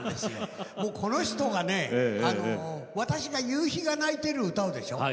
この人が私が「夕陽が泣いている」歌うでしょ。